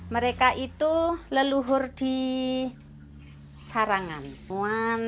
mereka itu leluhur di sarangan